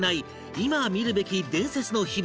今見るべき伝説の秘仏